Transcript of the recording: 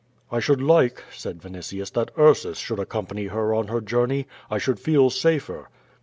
"I should like," said Vinitius, "that Ursus should accom pany her on her journey. I should feel safer."